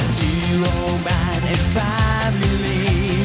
จีโรแมนแอนด์แฟมิลี่